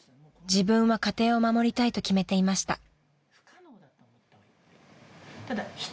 ［自分は家庭を守りたいと決めていました］